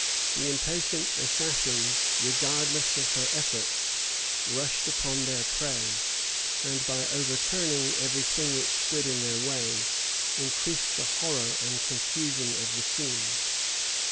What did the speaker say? The impatient assassins, regardless of her efforts, rushed upon their prey, and by overturning every thing which stood in their way, increased the horror and confusion of the scene.